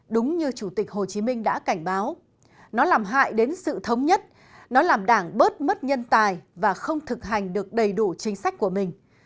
đúng như chủ tịch hồ chí minh đã cảnh báo nó làm hại đến sự thống nhất nó làm đảng bớt mất nhân tài và không thực hành được đầy đủ chính sách của mình